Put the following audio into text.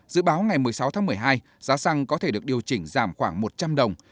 dự báo ngày một mươi sáu tháng một mươi hai giá xăng có thể được điều chỉnh giảm khoảng một trăm linh đồng